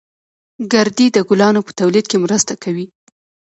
گردې د ګلانو په تولید کې مرسته کوي